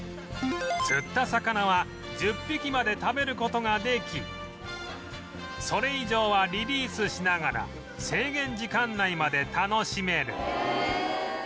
釣った魚は１０匹まで食べる事ができそれ以上はリリースしながら制限時間内まで楽しめる